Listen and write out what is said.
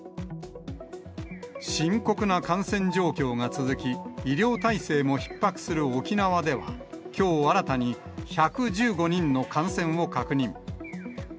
深刻な感染状況が続き、医療体制もひっ迫する沖縄では、きょう新たに１１５人の感染を確認。